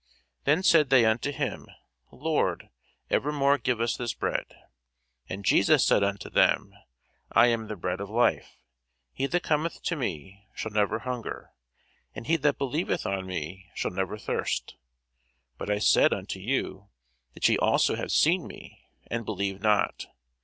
Then said they unto him, Lord, evermore give us this bread. And Jesus said unto them, I am the bread of life: he that cometh to me shall never hunger; and he that believeth on me shall never thirst. But I said unto you that ye also have seen me, and believe not.